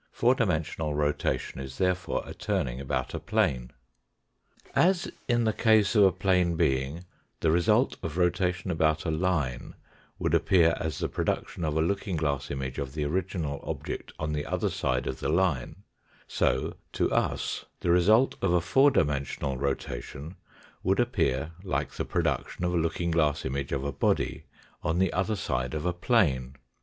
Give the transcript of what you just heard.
Four dimensional rotation is therefore a turning about a plane. As in the case of a plane being, the result of rotation about a line would appear as the production of a looking glass image of the original object on the other side of the line, so to us the result of a four dimensional rotation would appear like the production of a looking glass image of a body on the other side of a plane.